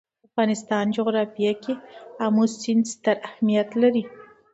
د افغانستان جغرافیه کې آمو سیند ستر اهمیت لري.